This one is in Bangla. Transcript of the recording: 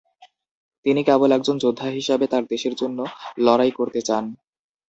তিনি কেবল একজন যোদ্ধা হিসাবে তার দেশের জন্য লড়াই করতে চান।